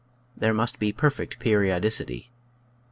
There must be perfect periodicity.